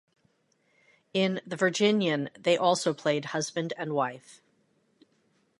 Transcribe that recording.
In "The Virginian", they also played husband and wife.